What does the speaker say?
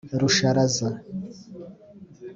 Rusharaza